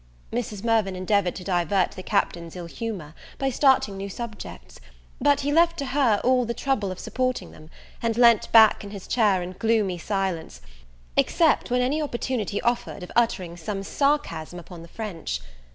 Mrs. Mirvan endeavourd to divert the Captain's ill humour, by starting new subjects: but he left to her all the trouble of supporting them, and leant back in his chair in gloomy silence, except when any opportunity offered of uttering some sarcasm upon the French.